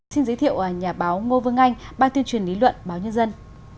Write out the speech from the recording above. xin giới thiệu nhà báo ngô vương anh ban tuyên truyền lý luận báo nhân dân